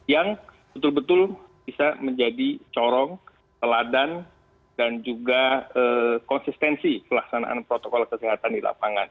yang betul betul bisa menjadi corong teladan dan juga konsistensi pelaksanaan protokol kesehatan di lapangan